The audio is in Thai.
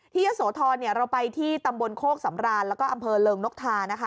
ยะโสธรเราไปที่ตำบลโคกสำรานแล้วก็อำเภอเริงนกทานะคะ